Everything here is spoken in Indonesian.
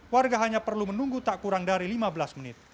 warga hanya perlu menunggu tak kurang dari lima belas menit